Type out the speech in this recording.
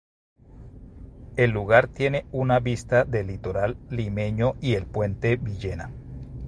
El lugar tiene una vista del litoral limeño y el puente Villena.